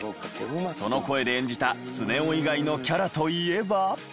その声で演じたスネ夫以外のキャラといえば。